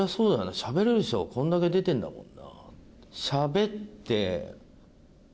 しゃべれる人がこれだけ出てるんだもんな」。